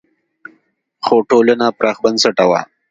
خو ټولنه پراخ بنسټه وه.